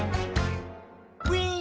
「ウィン！」